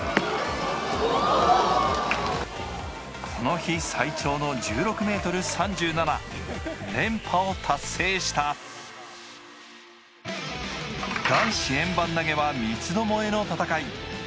この日最長の１６ｍ３７連覇を達成した男子円盤投は三つどもえの戦い